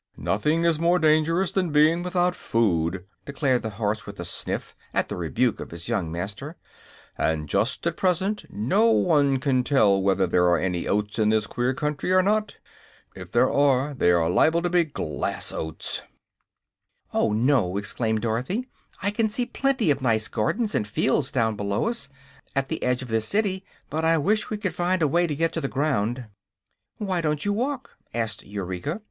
"Nothing is more dangerous than being without food," declared the horse, with a sniff at the rebuke of his young master; "and just at present no one can tell whether there are any oats in this queer country or not. If there are, they are liable to be glass oats!" [Illustration: "COME ON, JIM! IT'S ALL RIGHT."] "Oh, no!" exclaimed Dorothy. "I can see plenty of nice gardens and fields down below us, at the edge of this city. But I wish we could find a way to get to the ground." "Why don't you walk down?" asked Eureka.